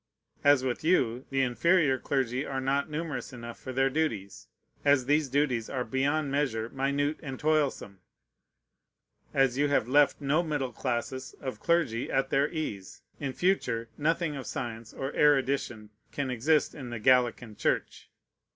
As with you the inferior clergy are not numerous enough for their duties, as these duties are beyond measure minute and toilsome, as you have left no middle classes of clergy at their ease, in future nothing of science or erudition can exist in the Gallican Church.